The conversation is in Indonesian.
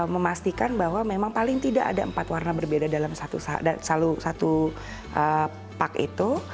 memastikan bahwa memang paling tidak ada empat warna berbeda dalam satu pak itu